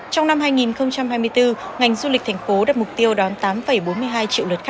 trong năm hai nghìn hai mươi bốn ngành du lịch thành phố đặt mục tiêu đón tám triệu lượt